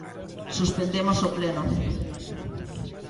Suspendemos o pleno.